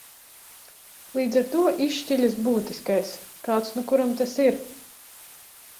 Līdz ar to izšķiļas būtiskais. Kāds nu kuram tas ir.